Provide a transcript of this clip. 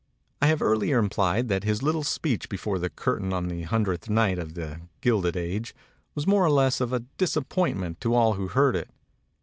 I have earlier implied that his little speech before the curtain on the hundredth night of the * Gilded Age* was more or less of a disappoint ment to all who heard it.